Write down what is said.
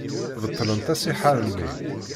Beṭlent asihaṛ-nni.